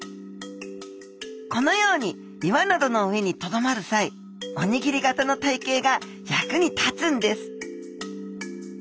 このように岩などの上にとどまる際おにぎり型の体形が役に立つんです。